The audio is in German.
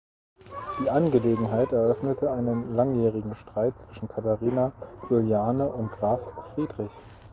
Die Angelegenheit eröffnete einen langjährigen Streit zwischen Katharina Juliane und Graf Friedrich.